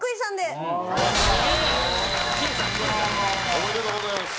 おめでとうございます。